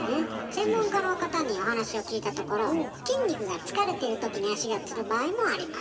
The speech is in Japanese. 専門家の方にお話を聞いたところ筋肉が疲れている時に足がつる場合もあります。